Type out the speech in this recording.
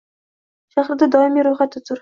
Shahrida doimiy roʻyxatda tur